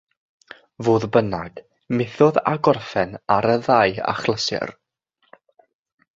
Fodd bynnag, methodd â gorffen ar y ddau achlysur.